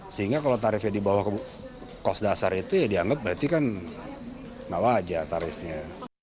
sehingga kalau tarifnya dibawah kos dasar itu ya dianggap berarti kan bawa aja tarifnya